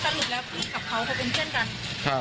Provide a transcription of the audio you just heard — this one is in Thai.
สรุปแล้วพี่กับเขาก็เป็นเพื่อนกันครับครับ